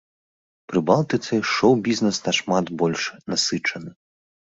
Прыбалтыцы шоў-бізнэс нашмат больш насычаны.